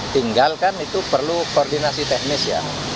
pemilukan itu perlu koordinasi teknis ya